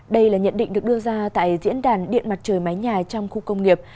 đây là nhận định được đưa ra tại diễn đàn điện mặt trời mái nhà trong khu công nghiệp